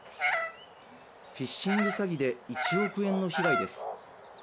フィッシング詐欺で１億円の被害です。